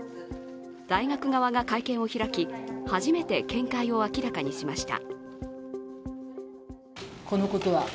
大学側が会見を開き、初めて見解を明らかにしました。